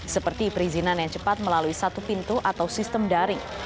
seperti perizinan yang cepat melalui satu pintu atau sistem daring